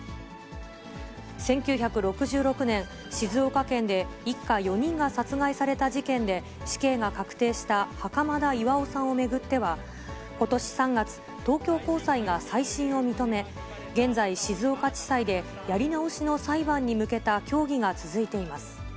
１９６６年、静岡県で一家４人が殺害された事件で、死刑が確定した袴田巌さんを巡っては、ことし３月、東京高裁が再審を認め、現在、静岡地裁でやり直しの裁判に向けた協議が続いています。